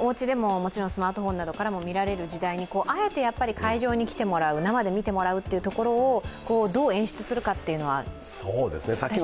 おうちでも、スマートフォンなどからも見られる時代にあえて会場に来てもらう、生で見てもらうというところをどう演出するかというのは大事ですね。